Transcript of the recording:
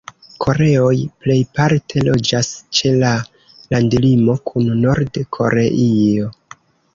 Koreoj plejparte loĝas ĉe la landlimo kun Nord-Koreio.